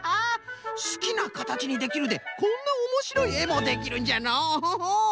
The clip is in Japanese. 「すきなかたちにできる」でこんなおもしろいえもできるんじゃのう。